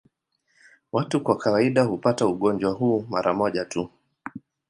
Watu kwa kawaida hupata ugonjwa huu mara moja tu.